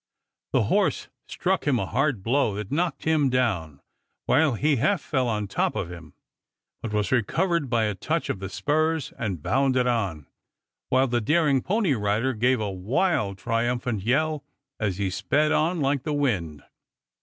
The horse struck him a hard blow that knocked him down, while he half fell on top of him, but was recovered by a touch of the spurs and bounded on, while the daring pony rider gave a wild triumphant yell as he sped on like the wind.